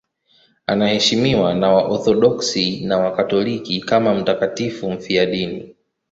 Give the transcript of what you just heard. Anaheshimiwa na Waorthodoksi na Wakatoliki kama mtakatifu mfiadini.